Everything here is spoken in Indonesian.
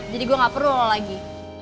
jadi gue gak perlu lo lagi